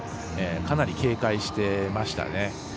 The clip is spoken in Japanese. かなり警戒してましたね。